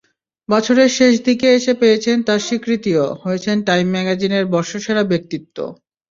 বছরের শেষ দিকে এসে পেয়েছেন তার স্বীকৃতিও, হয়েছেন টাইম ম্যাগাজিনের বর্ষসেরা ব্যক্তিত্ব।